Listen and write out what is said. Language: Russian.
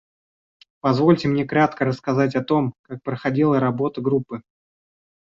Позвольте мне кратко рассказать о том, как проходила работа Группы.